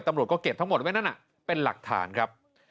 ตำรวจก็เก็บทั้งหมดไว้นั่นเป็นหลักฐานครับ